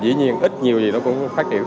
dĩ nhiên ít nhiều gì nó cũng phát triệu tốt